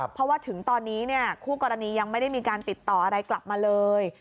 เพราะว่าถึงตอนนี้คู่กรณียังไม่ได้มีการติดต่ออะไรกลับมาเลย